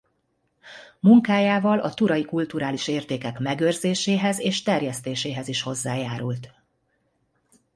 Munkájával a turai kulturális értékek megőrzéséhez és terjesztéséhez is hozzájárult.